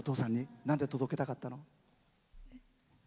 なんで届けたかったの？